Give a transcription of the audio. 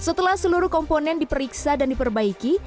setelah seluruh komponen diperiksa dan diperbaiki